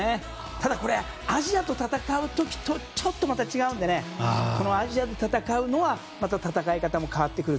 ただこれ、アジアと戦う時とちょっとまた違うのでこのアジアと戦うのは戦い方も変わってくる。